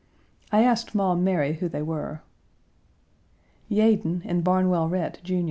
I asked Maum Mary who they were. "Yeadon and Barnwell Rhett, Jr."